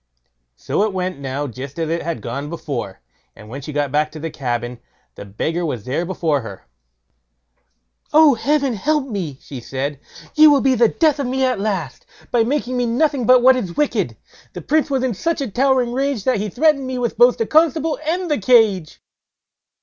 So it went now just as it had gone before, and when she got back to the cabin, the beggar was there before her. "Oh, Heaven help me", she said; "you will be the death of me at last, by making me nothing but what is wicked. The Prince was in such a towering rage that he threatened me both with the constable and cage."